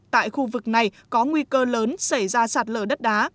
tại khu vực này có nguy cơ lớn xảy ra sạt lở đất đá